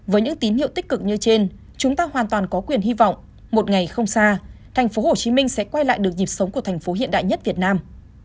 với những tín hiệu tích cực như trên chúng ta hoàn toàn có quyền hy vọng một ngày không xa tp hcm sẽ quay lại được dịp sống của thành phố hiện đại nhất việt nam